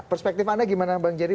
perspektif anda gimana bang jerry